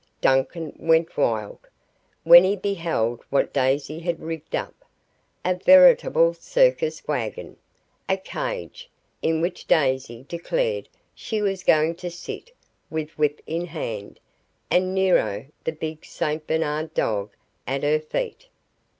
Duncan "went wild" when he beheld what Daisy had rigged up. A veritable circus wagon a cage, in which Daisy declared she was going to sit with whip in hand, and Nero, the big St. Bernard dog, at her feet.